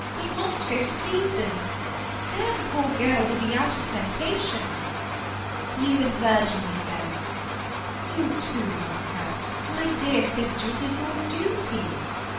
We must go to Clevedon. There the poor girl will be out of temptation." "You and Virgie may go." "You too, Monica. My dear sister, it is your duty."